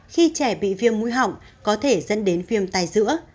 khi trẻ bị viêm mũi họng có thể dẫn đến viêm tay giữa